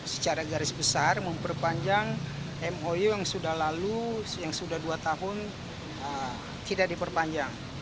secara garis besar memperpanjang mou yang sudah lalu yang sudah dua tahun tidak diperpanjang